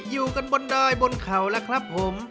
อยู่กันบนดอยบนเขาแล้วครับผม